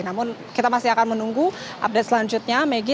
namun kita masih akan menunggu update selanjutnya maggie